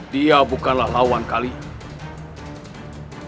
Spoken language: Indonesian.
dia bukanlah lawan kalian